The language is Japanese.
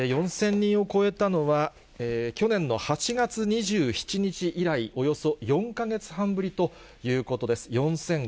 ４０００人を超えたのは去年の８月２７日以来、およそ４か月半ぶりということです。